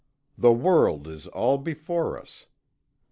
The world is all before us.